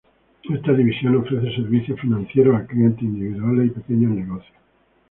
Esta división ofrece servicios financieros a clientes individuales y pequeños negocios.